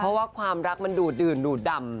เพราะว่าความรักมันดูดื่นดูดดำ